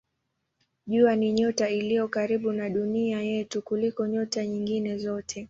Jua ni nyota iliyo karibu na Dunia yetu kuliko nyota nyingine zote.